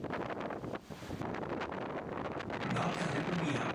Při jeho výstavbě byly objeveny zbytky gotického domu.